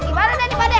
gimana ini pak dek